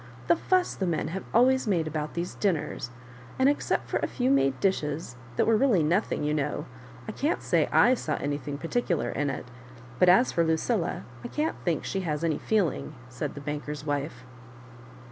"The fuss the men have always made about these dinners I and except for a few made dishes that were really nothing, you know, I can't say I saw anything particular in it. But as for Lucilla, I can't think she has any feeling," said the banker's wife.